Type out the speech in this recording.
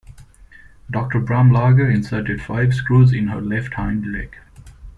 Doctor Bramlage inserted five screws in her left hind leg.